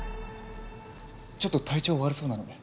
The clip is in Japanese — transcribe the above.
ちょっと体調悪そうなので。